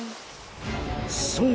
そう！